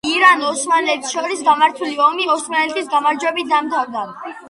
ირან-ოსმალეთს შორის გამართული ომი ოსმალეთის გამარჯვებით დამთავრდა.